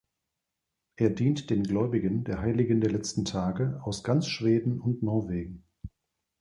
Er dient den Gläubigen der Heiligen der letzten Tage aus ganz Schweden und Norwegen.